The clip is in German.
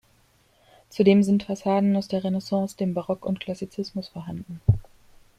Zudem sind Fassaden aus der Renaissance, dem Barock und Klassizismus vorhanden.